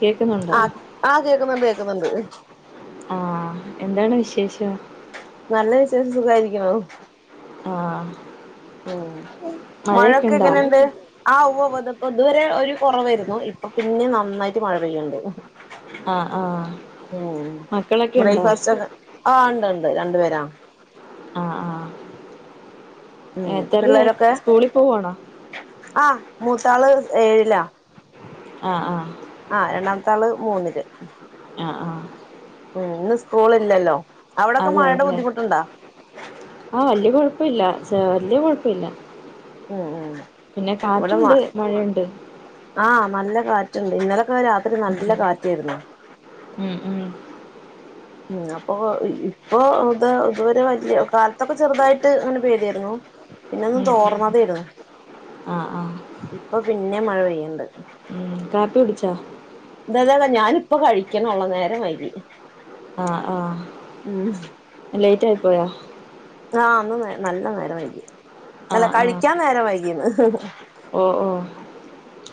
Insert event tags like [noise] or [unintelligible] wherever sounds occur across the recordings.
കേക്കുന്നുണ്ടോ ആ ആ കേക്കുന്നണ്ട് കേക്കുന്നുണ്ട് ആഹ എന്താണ് വിശേഷം നല്ല വിശേഷം സുഖായിരിക്കുണു ആഹ് ഉം മഴയൊക്കെ എങ്ങനെണ്ട് ആ ഉവ്വ് ഉവ്വ് ഇപ്പ ഇതുവരെ ഒരു കുറവെയിരുന്നു ഇപ്പൊ പിന്നെ നന്നായിട്ട് മഴ പെയ്യണ്ട് ആഹ് ആഹ് ഉ മക്കളൊക്കെ ഉണ്ടോ ബ്രേക്ഫാസ്റ്റ്ന് ആ് ഇണ്ട് ഇണ്ട് രണ്ട് പേരാ ആ ആഹ് ഉം എത്രയിലാ പിള്ളേരൊക്കെ സ്കൂളിൽ പോവാണോ ആഹ് ആഹ് ആ രണ്ടാമാത്തള് മൂന്നില് ആ ആഹ ഉ ഇന്ന് സ്കൂൾ ഇല്ലല്ലോ അവിടൊക്കെ അതെ മഴയുടെ അല്ലേ ബുദ്ധിമുട്ടുണ്ടോ ആഹ് വല്ലിയെ കൊഴപ്പല്ല വല്ലിയെ കൊഴപ്പല്ല ഉം ഉം പിന്നെ കാറ്റ്ണ്ട് മഴയ്ണ്ട് ആഹ് നല്ല കാറ്റ്ണ്ട് ഇന്നലക്കെ രാത്രി നല്ല കാറ്റേര്ന്നു. മം ഉം ഉ അപ്പൊ ഇപ്പൊ ഇത് ഇതുവരെ വലിയ കാലത്തൊക്കെ ചെറുതായിട്ട് അങ്ങനെ പെയ്തിരുന്നു പിന്ന ഒന്നു ഉം ഉം തോർന്നതെയിരുന്നു ആഹ് ആഹ് ഇപ്പൊ പിന്നെ മഴ പെയ്യണ്ട് ഉം കാപ്പി കുടിച്ചാ ഇതേ ഇതാ ഞാനിപ്പ കഴിക്കണള്ളു നേരം വൈകി ആഹ ആഹ ഉം ലേറ്റ് ആയി പോയോ ആഹ അന്ന് നല്ല നേരം വൈകി നല്ല ആഹ് ആഹ് കഴിക്കാൻ നേരം വൈകിന്ന് ഓ ഓ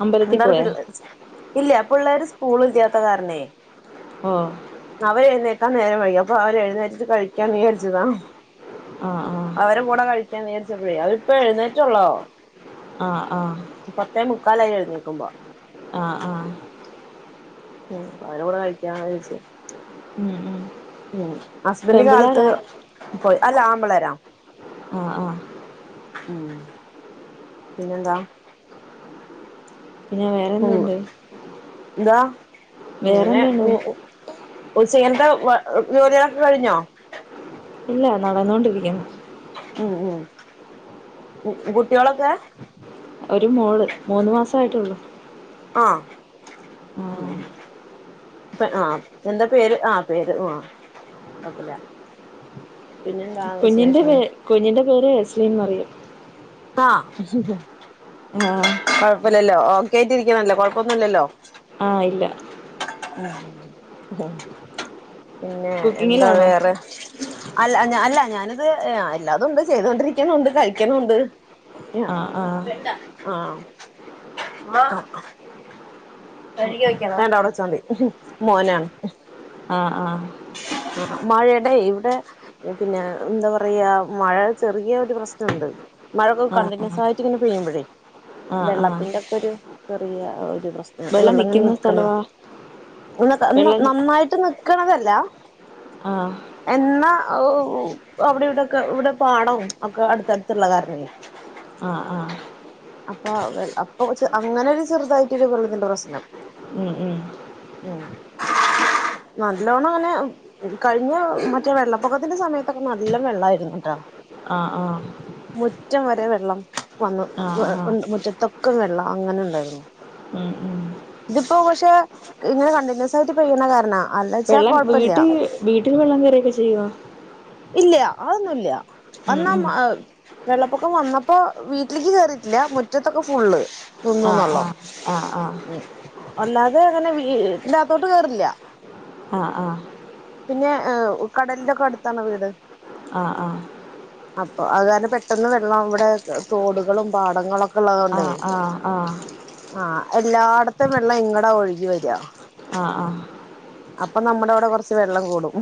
അമ്പലത്തിൽ എന്താ പോയോ ഇല്ല പിള്ളേര് സ്കൂള് ഇല്ലാത്ത കാരനേ ഓ അവരെ എഴുന്നേക്കാൻ നേരം വൈകി അപ്പൊ അപ്പ അവരെഴുന്നേറ്റിട്ട് കഴിക്കാൻ വിചാരിച്ചതാ ആഹ ആഹ അവരെ കൂടെ കഴിക്കാൻ നീരിച്ചപ്പോഴേ അവ ഇപ്പ എഴുന്നേറ്റള്ളോ ആഹ് ആഹ് പത്തേ മുക്കാലായി എഴുന്നേക്കുമ്പ ആഹ് ആഹ് ഹ്മ്മ് അവര കൂടെ കഴിക്കാ വിളിച്ച് ഉം ഉം ഹ്മ്മ്, ഹസ്ബൻഡ് കാലത്ത് പെമ്പിള്ളാരാ പോയി അല്ല ആൺപിള്ളാരാ ആഹ് ആഹ് ഹ്മ്മ്, പിന്നെന്താ പിന്നെ വേറെന്തുണ്ട് എന്തുവാ ഇങ്ങനെ വേറെന്താണ് [unintelligible] ഉച്ചകത്തെ [unintelligible] ജോലികളൊക്കെ കഴിഞ്ഞോ? ഇല്ല നടന്നോണ്ടിരിക്കുന്നു. ഹ്മ്മ്, ഹ്മ്മ് കുട്ടിയേലൊക്കെ ഒരു മോള് മൂന്ന് മാസായിട്ടൊള്ളൂ. ആഹ് ആഹ് [inaudible] അപ്പ ആഹ് എന്താ പേര് ആഹ് പേര് ആഹ് കൊഴപ്പല്ല പിന്നെന്താ വിശേഷം? കുഞ്ഞിൻ്റെ പേര് എസ്ലീൻ മറിയം. ആഹ് ആഹ് കുഴപ്പല്ലല്ലോ ഒക്കെ ആയിട്ടിരിക്ക്നല്ലോ കൊഴപ്പൊന്നുല്ലല്ലോ ആഹ് ഇല്ല. [inaudible] പിന്നെ എന്താ കുക്കിങ്ങിലാണോ വേറെ അല്ല ഞാന് അല്ല ഞാനിത് അല്ലാതൊണ്ട് ചെയ്തൊണ്ടിരിക്കുന്നുണ്ട് കഴിക്കുന്നുണ്ട് ആഹ് ആഹ് ആഹ് വേണ്ട അവിടെ വെച്ചാ മതി മോനാ ആഹ് ആഹ് മഴടെ ഇവിടെ പിന്നെ എന്താ പറയാ മഴ ചെറിയൊരു പ്രശ്നമുണ്ട്. മഴൊക്കെ ആഹ് ആഹ് കണ്ടിന്യൂസായിട്ട് ഇങ്ങനെ പെയ്യുമ്പഴേ ആഹ് ആഹ് വെള്ളത്തിന്റൊക്കെരു ചെറിയ ഒരു പ്രശ് വെള്ളം ഇങ്ങനെ നിക്കുന്ന നിക്ക്ണതാ, സ്ഥലവാ വെള്ളം [unintelligible] നി നന്നായിട്ട് നി ക്ക്ണതല്ല ആഹ് എന്നാ ആഹ് അവിടെവിടൊക്കെ ഇവിടെ പാടം ഒക്കെ അടുത്തടുത്തുള്ള കാരണേ ആഹ് ആഹ് അപ്പ അപ്പൊ അങ്ങനൊരു ചെറുതായിട്ടൊരു വെള്ളത്തിന്റെ പ്രശ്നം. ഹ്മ്മ് നല്ലോണങ്ങനെ കഴിഞ്ഞ മറ്റേ വെള്ളപ്പൊക്കത്തിന്റെ സമയത്തൊക്കെ നല്ലോം വെള്ളായിരുന്നുട്ടോ ആഹ് ആഹ് മുറ്റം വരെ വെള്ളം വന്ന്. ആഹ് ആഹ് [inaudible] മുറ്റത്തൊക്കെ വെള്ളം അങ്ങനെ ഇണ്ടായിരുന്നു. ഹ്മ്മ് ഹ്മ്മ് ഇതിപ്പോ പക്ഷെ ഇങ്ങനെ കണ്ടിന്യൂസായിട്ട് പെയ്യ്ണ കാരണാ അല്ല വെള്ളം വീട്ടി വീട്ടില് വെള്ളം കയറൊക്കെ ചെയ്യോ ഇല്ല അതൊന്നുല്ല ഉം അന്നാ ഉം മ ആഹ് വെള്ളപ്പൊക്കം വന്നപ്പോ വീട്ടിൽക്ക് കയറിട്ടില്ല മുറ്റത്തൊക്കെ ഫുള്ള്. ആഹ് തിന്ന്ണൊള്ളു ആഹ് ആഹ് ഹ്മ്മ്, അല്ലാതെ അങ്ങനെ വീടിന്റകത്തോട്ട് കേറില്ല. ആഹ് ആഹ് പിന്നെ ഏഹ് കടൽന്റൊക്കെ അടുത്താണോ വീട് ആഹ് അപ്പ അത് കാരണം പെട്ടൊന്ന് വെള്ളം ഇവടെ തോടുകളും പാടങ്ങളൊക്കെ ഇള്ളതോണ്ടേ ആഹ് ആഹ് ആഹ് ആഹ് എല്ലായിടത്തും വെള്ളം ഇങ്ങടാ ഒഴുകി വരിക ആഹ് ആഹ് അപ്പൊ നമ്മുടെ അവിടെ കൊറച്ച് വെള്ളം കൂടും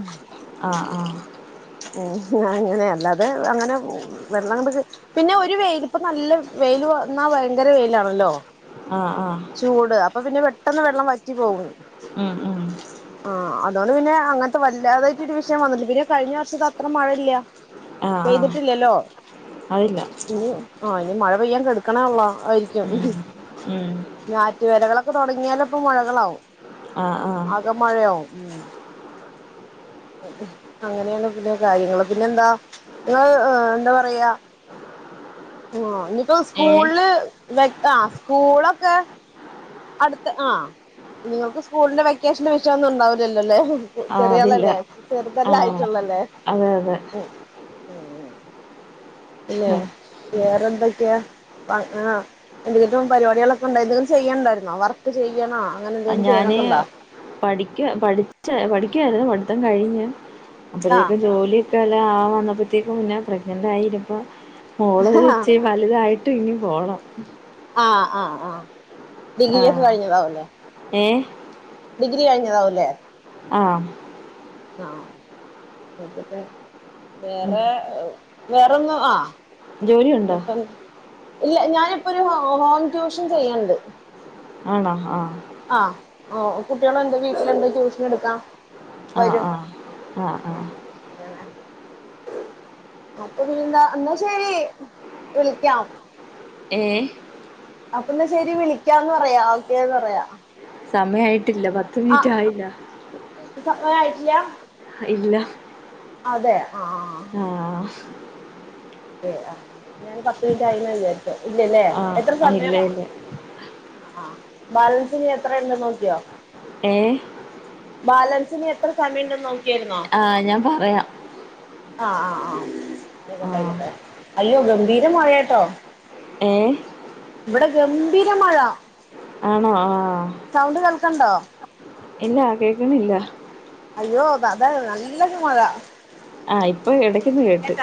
ആഹ് ആഹ് ആഹ് ഉം അങ്ങനെ അല്ലാതെ അങ്ങനെ വെള്ളം അങ്ങട് - പിന്നെ ഒരു വെയില് ഇപ്പം നല്ല വെയില് വന്നാ ഭയങ്കര വെയിലാണല്ലോ ആഹ് ആഹ് ചൂട് അപ്പൊ പിന്നെ പെട്ടെന്ന് വെള്ളം വറ്റി പോകും ആഹ് ആഹ് ആഹ് അതുകൊണ്ട് പിന്നെ അങ്ങനത്തെ വല്ലാതായിട്ട് ഒരു വിഷയം വന്നില്ല പിന്നെ കഴിഞ്ഞ വർഷത്തെ അത്ര മഴയില്ല ആഹ് ആഹ് പെയ്തിട്ടില്ലല്ലോ അതില്ല ഇനി ആഹ് ഇനി മഴ പെയ്യാൻ കെടക്കണെ ഉള്ളോ അയ്യോ ഉം ഉം ഞാറ്റുവേലകളൊക്കെ തൊടങ്ങിയാലപ്പൊ മഴകളാവും ആഹ് ആഹ് ആകെ മഴയാവും അങ്ങനെയാണ് പിന്നെ കാര്യങ്ങള് പിന്നെ എന്താ ഇങ്ങള് എന്താ പറയാ ആഹ് ഇനിപ്പൊ ഏഹ് സ്കൂളില് വെ ആഹ് സ്കൂളൊക്കെ- അടുത്ത് ആഹ് നിങ്ങൾക്ക് സ്കൂളിന്റെ വെക്കേഷന്റെ വിഷയൊന്നും ഒണ്ടാവിന്നില്ലല്ലേ ആഹ് അതില്ല ചെറിയാളല്ലേ ആഹ് ചെറുതല്ലായിട്ടൊള്ളു അല്ലേ അതെ അതെ ഉം ഉം പിന്നെ വേറെന്തൊക്കെയാ ഏഹ് എന്തെങ്കിലും പരിപവാടികളൊക്കെ ഒണ്ടായിന്നോ എന്തെങ്കിലും ചെയ്യ്ണ്ടായിരുന്നോ വർക്ക് ചെയ്യണോ അങ്ങനെന്തെലും ഞാന് ചെയ്യണക്കെണ്ടോ പഠിക്ക പഠിച്ച പഠിക്കായിരുന്നു പഠിത്തം കഴിഞ്ഞ് ആഹ് അപ്പഴേക്കും ജോലി- [unintelligible] വന്നപ്പോഴത്തേക്കും ഞാൻ പ്രെഗ്നെറ് ആയി [unintelligible] മോളൊരിച്ചിരി വലുതായിട്ടും ഇനി പോണം ആഹ് ആഹ് ആഹ് ഡിഗ്രി ഒക്കെ കഴിഞ്ഞതാവുംല്ലേ ഏഹ് ഡിഗ്രി കഴിഞ്ഞതാവുംല്ലേ ആഹ് ആഹ് ഉം വേറെ വേറൊന്നും ആഹ് ജോലിയുണ്ടോ പിന്നപ്പം ഇല്ല ഞാനിപ്പൊരു ഹോം ട്യൂഷൻ ചെയ്യ്ണ്ട് ആണോ ആഹ് ആഹ് ഓഹ് കുട്ടികള് ഒണ്ടെങ്കി വീട്ടില്ണ്ടെങ്കി ട്യൂഷനെടുക്കാ ആഹ് വരും ആഹ് ആഹ് ആഹ് അപ്പൊ പിന്നെന്താ എന്നാ ശരി വിളിക്കാം ഏഹ് അന്നാ പിന്നെ ശെരി വിളിക്കാന്ന് പറയാ ഓക്കെന്ന് പറയാ സമയായിട്ടില്ല പത്ത് മിനിറ്റ് ആഹ് ആയില്ല സമയായിട്ടില്ല ഇല്ല അതെ ആഹ് ആഹ് ആഹ് ഏഹ് ആഹ് ഞാൻ പത്ത് മിനിറ്റായിന്ന് വിചാരിച്ചു ഇല്ലല്ലേ എത്ര ആഹ് സമയം ഇല്ല ഇല്ല ആഹ് ബാലൻസിനി എത്രയുണ്ട് നോക്കിയോ ഏഹ് ബാലൻസ് ഇനി എത്ര സമയിണ്ട്ന്ന് നോക്കിയാരുന്നോ ആഹ് ഞാൻ പറയാം ആഹ് ആഹ് ആഹ് ആയിക്കോട്ടെ ആഹ് ആയിക്കോട്ടെ അയ്യോ ഗംഭീര മഴ യാട്ടോ ഏഹ് ഇവിടെ ഗംഭീര മഴ ആണോ ആഹ് സൗണ്ട് കേൾക്ക്ണ്ടോ ഇല്ല കേക്ക്ണില്ല അയ്യോ അത് നല്ലൊരു മഴ ആഹ് ഇപ്പൊ എടക്കൊന്ന് കേട്ട്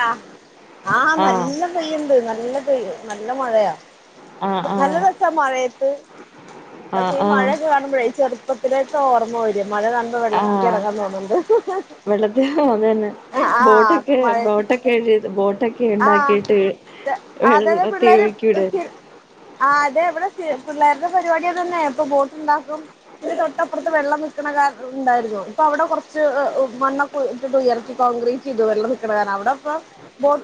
ആഹ് പെയ്യണ്ട് നല്ല പെയ്യ നല്ല മഴയാ ആഹ് നല്ല ആഹ് രസാ മഴയത്ത് പക്ഷേ ആഹ് ഈ ആഹ് മഴക്കെ കാണുമ്പഴേ ചെർ ചെർപ്പത്തിലേക്ക് ഓർമ്മ വര മഴ കാണുമ്പോ വെള്ളത്തിൽക്ക് എറങ്ങാൻ തോന്നണണ്ട് വെള്ളത്തിൽക്ക് അതന്നെ ബോട്ടൊക്കെ മഴയത്ത് ബോട്ടൊക്കെ ബോട്ടൊ ആഹ് ഒക്കെണ്ടാക്കിയിട്ട് അതതെ വെള്ളത്തി പിള്ളേര് ഒഴുക്കി വിട ആഹ് അതെ ഇവിടെ പി പിള്ളേരുടെ പരിപാടി അതന്നെ ഇപ്പൊ ബോട്ടുണ്ടാക്കും ഇതിന് തൊട്ടപ്പുറത്ത് വെള്ളം നിൽക്കണ കെണർ ഉണ്ടായിരുന്നു ഇപ്പൊ അവിടെ കൊറച്ച് ഹ് മണ്ണ ഇട്ടിട്ട് ഉയർത്തി കോൺക്രീറ്റ് ചെയ്തു വെള്ളം നിൽക്കണ കാരണം അവിടെപ്പം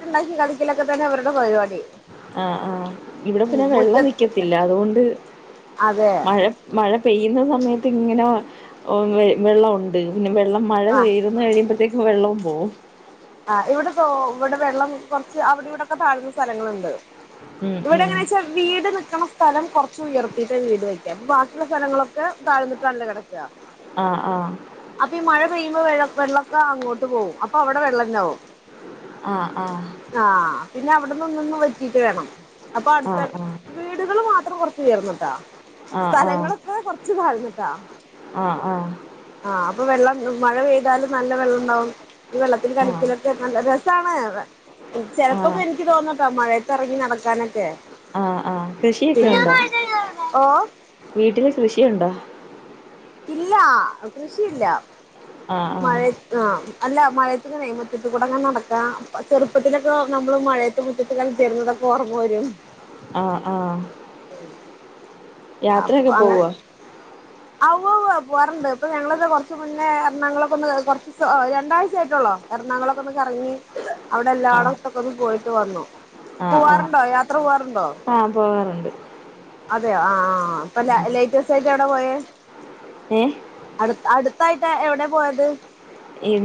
ഉണ്ടാക്കി കളിക്കലൊക്കെ തന്നെ അവരുടെ പരിപാടി ആഹ് ആഹ് ഇവിടെ ഉം പിന്നെ മുറ്റ വെള്ളം നിക്കത്തില്ല അതുകൊണ്ട് അതെ മഴ മഴ പെയ്യുന്ന സമയത്ത് ഇങ്ങനെ ഒ വെള്ളണ്ട് പിന്നെ വെള്ളം മഴ ആഹ് പെയ്ന്ന് കഴിയുമ്പഴത്തേക്ക് വെള്ളോം പോകും ആ ഇവിടെ ഇവിടെ വെള്ളം കൊറച്ച് അവിടെ ഇവിടെക്കെ താഴ്ന്ന സ്ഥലങ്ങളുണ്ട് ഉം ഇവിടെ ഉം എങ്ങനാച്ച വീട് നിക്കണ സ്ഥലം കൊറച്ച് ഉയർത്തിയിട്ട വീട് വെക്ക അപ്പൊ ബാക്കിയുള്ള സ്ഥലങ്ങളൊക്കെ താഴ്ന്നിട്ട് ആണല്ലോ കിടക്ക ആഹ് ആഹ് അപ്പം ഈ മഴ പെയ്യുമ്പോ വെള്ളക്കെ അങ്ങോട്ട് പോകും അപ്പൊ അവിടെ വെള്ളത്താവും ആഹ് ആഹ് ആഹ് പിന്നെ അവിടൊന്നന്ന് വറ്റിട്ട് വേണം അപ്പൊ ആഹ് അടുത്ത ആഹ് വീടുകള് മാത്രം കുറച്ച് ഉയർന്നിട്ടാ ആഹ് ആഹ് സ്ഥലങ്ങളൊക്കെ കൊറച്ച് താഴ്ന്നിട്ടാ ആഹ് ആഹ് ആഹ് അപ്പം വെള്ളം മഴ പെയ്താലും നല്ല വെള്ളണ്ടാവും ഈ വെള്ളത്തിൽ കളി ആഹ് ഇതൊക്കെ നല്ല രസാണ് ഏഹ് ചെലപ്പോക്കെ ആഹ് എനിക്ക് തോന്നുട്ടോ മഴത്തിറങ്ങി നടക്കാനൊക്കെ ആഹ് ആഹ് കൃഷിയൊക്കെ പിന്നെ ഉണ്ടോ ഓ വീട്ടില് കൃഷിയുണ്ടോ ഇല്ല കൃഷിയില്ല ആഹ് ആഹ് മഴ ആഹ് അല്ല മഴയത്തങ്ങനെയ മുറ്റത്ത് കൂടങ്ങനെ നടക്കാ ചെറുപ്പത്തിലൊക്കെ നമ്മള് മഴ റ്റ മുറ്റത്ത് കളി ച്ചിരുന്നതൊക്കെ ഓർമ്മ വരും ആഹ് ആഹ് ഉം അപ്പോ യാത്രയൊക്കെ അങ്ങനെ പോവോ അവ്വ്വ്വ് പോവാറുണ്ട് ഇപ്പൊ ഞങ്ങളൊക്കെ കൊറച്ച് മുന്നേ എറണാകുളക്കൊന്ന് കുറച്ച് രണ്ടാഴ്ച ആയിട്ടൊള്ളോ എറണാകുളൊക്കെ ഒന്ന് കറങ്ങി അവിടെ ആഹ് എല്ലാടൊക്കെ ഒന്ന് പോയിട്ട് വന്നു ആഹ് ആഹ് പോവാറുണ്ടോ യാത്ര പോവാറുണ്ടോ ആഹ് പോകാറുണ്ട് അതെയോ ആഹ് ആഹ് ഇപ്പൊ ല ലേറ്റസ്റ്റ് ആയിട്ട് എവിടെയാ പോയെ ഏഹ് അടുത്ത് അടുത്തായിട്ട് എവിടെ പോയത്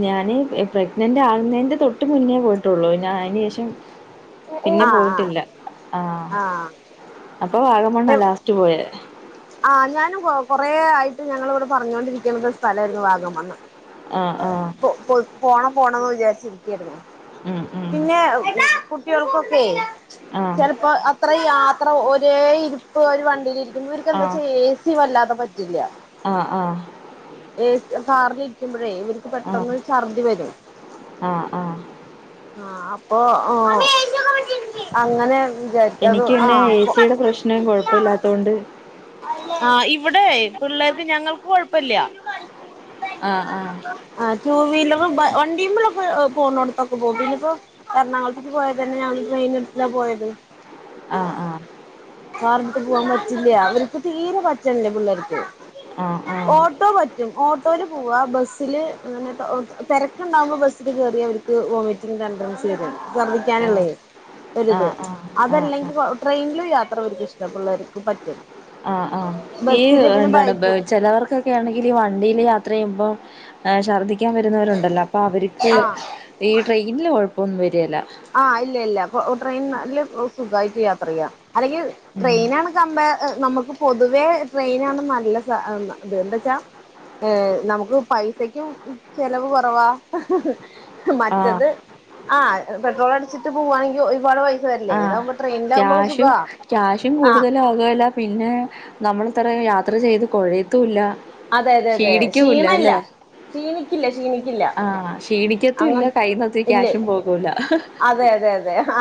ഞാന് പ്രഗ്നന്റ് ആകുന്നേന്റെ തൊട്ട് മുന്നേ പോയിട്ടുള്ളു ഞാ അയ്ന് ശേഷം പിന്നെ ആ പോയിട്ടില്ല ആഹ് ആ അപ്പൊ വാഗ മണ്ണാ ആ ലാസ്റ്റ് പോയെ ആഹ് ഞാനും കൊറേ ആയിട്ട് ഞങ്ങളിവിടെ പറഞ്ഞോണ്ടിരിക്കുന്ന ഒരു സ്ഥലമായിരുന്നു വാഗമണ്ണ് ആഹ് ആഹ് പൊ പൊ പോണം പോണംന്ന് വിചാരിച്ചിരിക്കായിരുന്നു ഉം ഉം പിന്നെ കുട്ടികൾക്കൊക്കെയ് ആഹ് ചെലപ്പം അത്ര യാത്ര ഒരേ ഇരിപ്പ് ഒരു വണ്ടിൽ ഇരിക്കുമ്പോ ഇവർക്ക് എന്താ ആഹ് ചെയ്യ ഇച്ച് വല്ലാതെ പറ്റില്ല ആഹ് ആഹ് എ സി കാറിലിരിക്കുമ്പഴേ ഇവർക്ക് ആഹ് പെട്ടെന്ന് ഛർദ്ദി വരും ആഹ് ആഹ് ആഹ് അപ്പൊ ഓ അങ്ങനെ വിചാരി എനിക്ക് പിന്നെ എ സി യുടെ പ്രശ്നം കൊയപ്പാലത്തൊണ്ട ആഹ് ഇവിടെ പിള്ളേർക്ക് ഞങ്ങൾക്ക് കൊഴപ്പല്ല ആഹ് ആഹ് ആ ടു വീലറും വണ്ടിയുമ്മലൊക്കെ പോണടുത്തൊ ക്ക് പോകും പഇനീപ്പോ എറണാകുളത്ത്ക്ക് പോയതെന്നെ ഞങ്ങള് ട്രെയിൻ എടുത്താ പോയത് ആഹ് ആഹ് കാറിടുത്ത് പോകാൻ പറ്റില്ല ഇവർക്ക് തീരെ പറ്റണില്ല പിള്ളേർക്ക് ആഹ് ആഹ് ഓട്ടോ പറ്റും ഓട്ടോല് പോവാ ബസില് ഇങ്ങനെ തെരക്കുണ്ടാവുമ്പോ ബസ്സില് കേറിയ ഓൽക്ക് ത്ത് വോമിറ്റിംഗ് ടെൻഡൻസി വരും ചർദ്ദിക്കാനും ആഹ് വരും ആഹ് ഒരിത് ആഹ് ആഹ് ആഹ് ആഹ് അതല്ലെങ്കിൽ ട്രെയിനിലും യാത്രവർക്ക് ഇഷ്ടാ യാത്ര പിള്ളേർക്ക് പറ്റും. ആഹ് ആഹ് ഈ ബസ്സില് പിന്നെ എന്താണ് ബൈക്കിൽ ചിലവർക്കൊക്കെ. ഇക്ക് ആണെങ്കിൽ വണ്ടിയില് യാത്ര ചെയ്യുമ്പോ ഛർദ്ദിക്കാൻ വരുന്നവരുണ്ടല്ലോ അപ്പൊ അവർക്ക്. ആ ഈ ട്രെയിനിൽ കുഴപ്പമൊന്നും വരെല്ലാ ആഹ് ഇല്ല ഇല്ല ഇപ്പൊ ട്രെയിൻ നല്ല സുഖമായിട്ട് യാത്ര ചെയ്യാം അല്ലെങ്കിൽ. ഉം ട്രെയിനാ ആണ് കമ്പേ ഏ നമുക്ക് പൊതുവേ ട്രെയിനാണ് നല്ല സ ഇത് എന്തേച്ചാ ഏ നമുക്ക് പൈസക്കും ചെലവ് കുറവാ ആഹ് മറ്റത് ആഹ് പെട്രോൾ അടിച്ചിട്ട് പോവാണെങ്കിൽ ഒരുപാട് പൈസ വരില്ലേ ആഹ് ഇതാവകുമ്പോ. ക്യാഷും ക്യാഷും ആഹ് കൂടുതലാകും അതുല്ല പിന്നെ നമ്മൾ ഇത്രേ യാത്ര ചെയ്ത് കുഴയത്തുല്ല. അതെ അതെ അതെ ക്ഷീണമല്ല ക്ഷീണിക്കില്ല ക്ഷീണിക്കില്ല. ആഹ് അങ്ങ ക്ഷീണിക്കത്തുല്ല കൈ ഒത്തിരി ഇല്ലേ ക്യാഷും പോകൂല. അതെ അതെ അതെ അതെ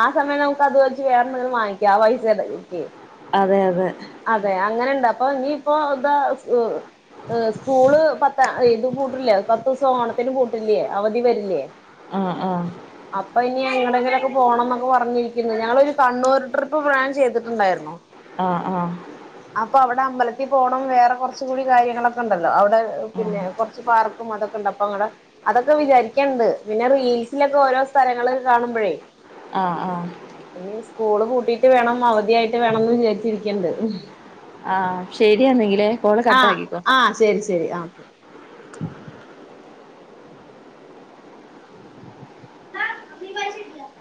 ആഹ് സമയം നമുക്ക് അത് വെച്ച് വേറെന്തെങ്കിലും വാങ്ങിക്കാം ആ പൈസ അതെ അതെ അതെ അങ്ങനെണ്ട് അപ്പൊ ഇനിയിപ്പോ ഇതാ സ് ഏ സ്കൂള് പത്ത ഇത് പൂട്ടില്ലേ പത്ത് ദിവസം ഓണത്തിനന് പൂട്ടില്ലേ അവധി വരില്ലേ. ആഹ് ആഹ് അപ്പൊ ഇനി എങ്ങോട്ടാങ്കിലൊക്കെ പോണം എന്ന് ഒക്കെ പറഞ്ഞിരിക്കുന്നു ഞങ്ങളൊരു കണ്ണൂർ ട്രിപ്പ് പ്ലാൻ ചെയ്തിട്ടുണ്ടായിരുന്നു. ആണോ ആഹ് ആഹ് അപ്പൊ അവിടെ അമ്പലത്തിൽ പോകണം വേറെ കുറ കുറച്ച് കൂടി കാര്യങ്ങളൊക്കെ ഉണ്ടല്ലോ അവിടെ പിന്നെ ആഹ് കുറച്ച് പാർക്കും അതൊക്കെ ഇണ്ട് അപ്പൊ അങ്ങടെ അതൊക്കെ വിചാരിക്കണ്ട് പിന്നെ റീൽസിലൊക്കെ ഓരോ സ്ഥലങ്ങൾ കാണുമ്പോഴേ. ആഹ് ആഹ് ഇനി സ്കൂള് പൂട്ടീയിട്ട് വേണം അവധിയായിട്ട് വേണം എന്ന് വിചാരിച്ചിരിക്ണണ്ട്. ആ ശരിയാണെങ്കില് ആഹ് ആഹ് ശരി ശരി ആ ആ നി പറ ശിട്ടില്ല [inaudible]